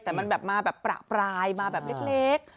แต่มันมาแบบปรายมาแบบเล็ก